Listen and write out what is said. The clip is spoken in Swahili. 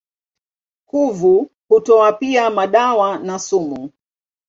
Kuvu hutoa pia madawa na sumu.